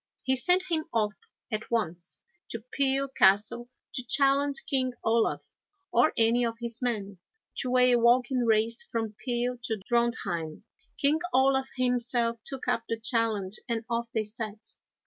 He sent him off at once to Peel Castle to challenge King Olaf, or any of his men, to a walking race from Peel to Drontheim. King Olaf himself took up the challenge, and off they set.